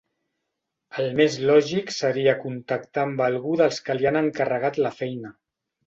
El més lògic seria contactar amb algú dels que li han encarregat la feina.